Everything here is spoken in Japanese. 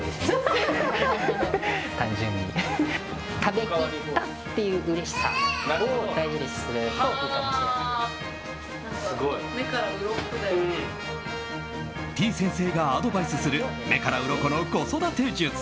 てぃ先生がアドバイスする目からうろこの子育て術。